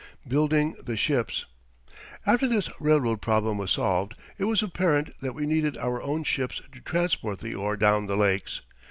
BUILDING THE SHIPS After this railroad problem was solved, it was apparent that we needed our own ships to transport the ore down the lakes.